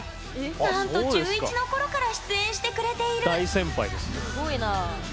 なんと中１のころから出演してくれている。